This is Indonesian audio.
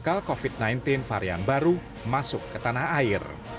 bakal covid sembilan belas varian baru masuk ke tanah air